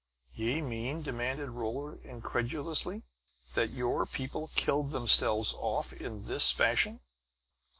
"Ye mean," demanded Rolla incredulously, "that your people killed themselves off in this fashion?"